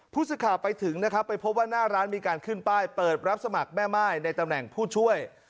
ผู้สื่อข่าวไปถึงนะครับไปพบว่าหน้าร้านมีการขึ้นป้ายเปิดรับสมัครแม่ม่ายในตำแหน่งผู้ช่วย